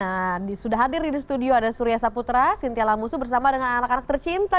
hai nah disudah hadir di studio ada surya saputra sinti alamusu bersama dengan anak anak tercinta